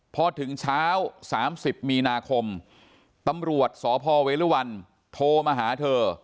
พอถึงเช้า๓๐มีนาคมตำรวจสพเวรุวันโทรมาหาเธอ